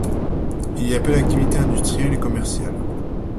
Il y a peu d'activités industrielles et commerciales.